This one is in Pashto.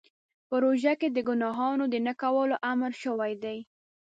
په روژه کې د ګناهونو د نه کولو امر شوی دی.